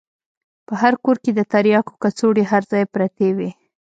په هر کور کښې د ترياکو کڅوړې هر ځاى پرتې وې.